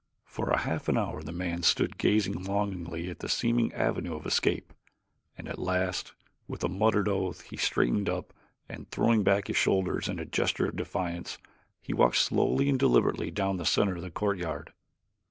For half an hour the man stood gazing longingly at this seeming avenue of escape, and at last, with a muttered oath, he straightened up and throwing back his shoulders in a gesture of defiance, he walked slowly and deliberately down the center of the courtyard.